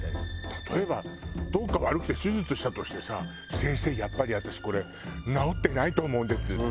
例えばどっか悪くて手術したとしてさ「先生やっぱり私これ治ってないと思うんです」。